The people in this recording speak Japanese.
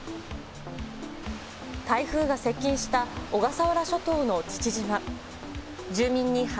台風が接近した小笠原諸島の父島。